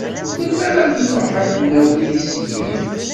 Melmi ara nruḥ ad d-nawi tislit?